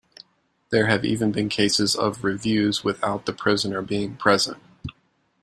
There have even been cases of reviews without the prisoner being present.